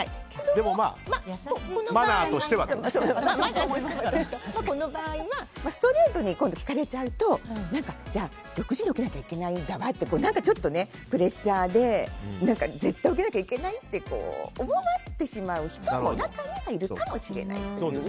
でもこの場合はストレートに聞かれちゃうとじゃあ、６時に起きなきゃいけないんだわとかちょっとプレッシャーで絶対に起きなきゃいけないと思ってしまう方も中にはいるかもしれないという。